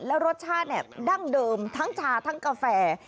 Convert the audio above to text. แล้วรสชาติดั้งเดิมทั้งชาทั้งกาแฟ